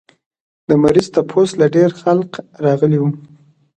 د مريض تپوس له ډېر خلق راغلي وو